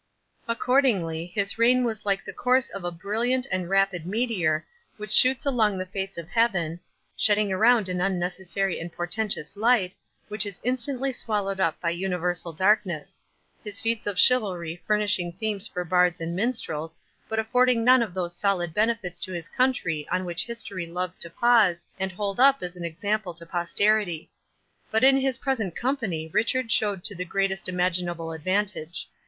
Accordingly, his reign was like the course of a brilliant and rapid meteor, which shoots along the face of Heaven, shedding around an unnecessary and portentous light, which is instantly swallowed up by universal darkness; his feats of chivalry furnishing themes for bards and minstrels, but affording none of those solid benefits to his country on which history loves to pause, and hold up as an example to posterity. But in his present company Richard showed to the greatest imaginable advantage.